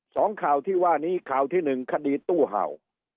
สองข่าวที่ว่านี้ข่าวที่หนึ่งคดีตู้เห่า